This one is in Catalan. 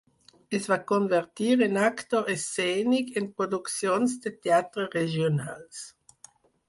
Es va convertir en actor escènic en produccions de teatre regionals.